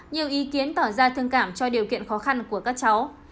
nhiều ý kiến tỏ ra thương cảm cho điều kiện khó khăn của các cháu